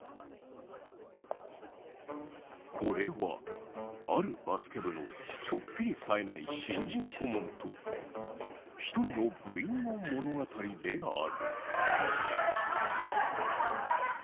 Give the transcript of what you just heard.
これはあるバスケ部のちょっぴりさえない新人顧問と一人の部員の物語である。